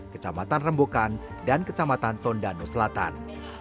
kecamatan rembukan dan kecamatan tondano selatan